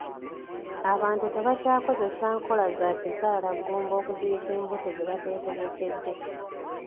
Abantu tebakyakozesa nkola za kizaalagumba okuziyiza embuto ze batetegekedde.